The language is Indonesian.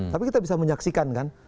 tapi kita bisa menyaksikan kan